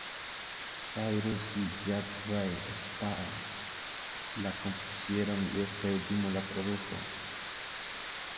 Cyrus y Jeffrey Steele la compusieron y este último la produjo.